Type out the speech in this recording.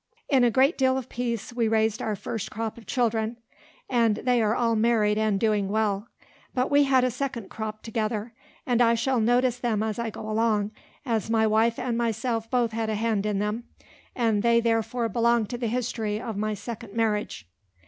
In a great deal of peace we raised our first crop of children, and they are all married and doing well. But we had a second crop together; and I shall notice them as I go along, as my wife and myself both had a hand in them, and they therefore belong to the history of my second marriage.